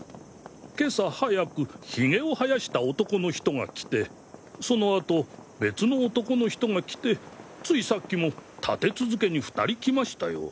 今朝早くヒゲを生やした男の人が来てその後別の男の人が来てついさっきも立て続けに２人来ましたよ。